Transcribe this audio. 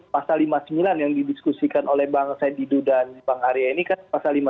pasal lima puluh sembilan yang didiskusikan oleh bang said didu dan bang arya ini kan pasal lima puluh